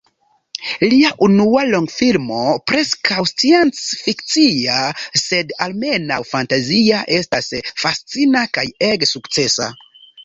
Lia unua longfilmo, preskaŭ scienc-fikcia sed almenaŭ fantazia, estas fascina kaj ege sukcesa.